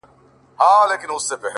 • ته دې هره ورځ و هيلو ته رسېږې ـ